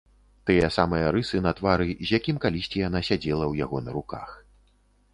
Тыя самыя рысы на твары, з якім калісьці яна сядзела ў яго на руках.